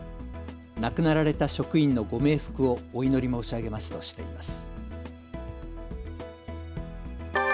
亡くなられた職員のご冥福をお祈り申し上げますとしています。